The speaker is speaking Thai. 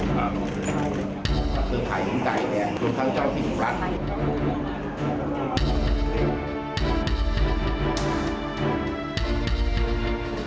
ใครที่ใจแกคือท่านเจ้าที่รัก